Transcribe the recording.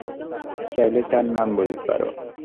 চাইলে তার নাম বলতে পারো।